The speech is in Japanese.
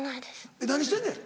えっ何してんねん？